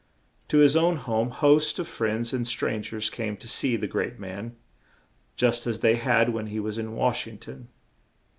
To his own home hosts of friends and stran gers came to see the great man, just as they had when he was in Wash ing ton.